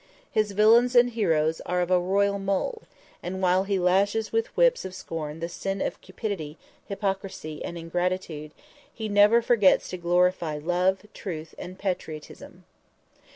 His villains and heroes are of royal mold, and while he lashes with whips of scorn the sin of cupidity, hypocrisy and ingratitude, he never forgets to glorify love, truth and patriotism.